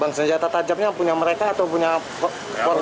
bang senjata tajamnya punya mereka atau punya korban